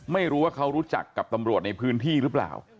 ไม่รู้ว่าเขารู้จักกับตำรวจในพื้นที่หรือเปล่า